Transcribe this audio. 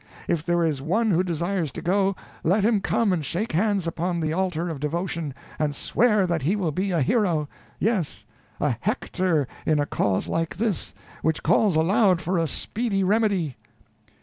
If there is one who desires to go, let him come and shake hands upon the altar of devotion, and swear that he will be a hero; yes, a Hector in a cause like this, which calls aloud for a speedy remedy."